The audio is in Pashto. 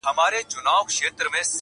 زور لري چي ځان کبابولای سي!